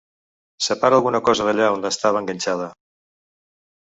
Separa alguna cosa d'allà on estava enganxada.